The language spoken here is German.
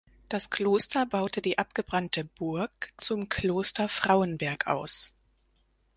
Das Kloster baute die abgebrannte Burg zum Kloster Frauenberg aus.